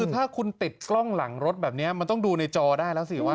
คือถ้าคุณติดกล้องหลังรถแบบนี้มันต้องดูในจอได้แล้วสิว่า